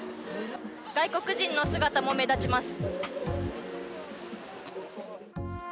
外国人の姿も目立ちます。